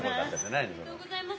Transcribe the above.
ありがとうございます。